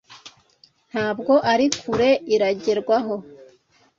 Ntabwo ari kure, iragerwaho,